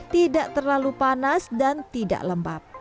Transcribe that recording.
tidak terlalu panas dan tidak lembab